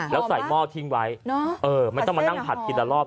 แล้วใส่หม้อทิ้งไว้ไม่ต้องมานั่งผัดทีละรอบ